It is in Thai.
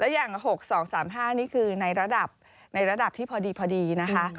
แล้วอย่าง๖๒๖๕นี่คือในระดับที่พอดีนะคะ